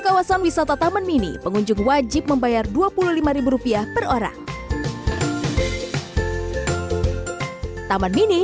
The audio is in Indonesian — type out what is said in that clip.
kawasan wisata taman mini pengunjung wajib membayar dua puluh lima rupiah per orang taman mini